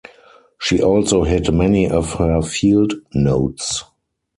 She also hid many of her field notes.